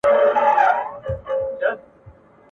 په الست کي یې وېشلي د ازل ساقي جامونه !.